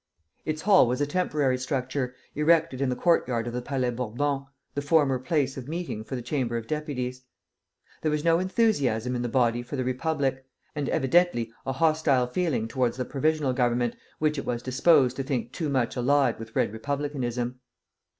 Its hall was a temporary structure, erected in the courtyard of the Palais Bourbon, the former place of meeting for the Chamber of Deputies. There was no enthusiasm in the body for the Republic, and evidently a hostile feeling towards the Provisional Government, which it was disposed to think too much allied with Red Republicanism.